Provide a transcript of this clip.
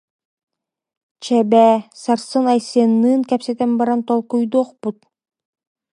Чэ, бээ, сарсын Айсенныын кэпсэтэн баран толкуйдуохпут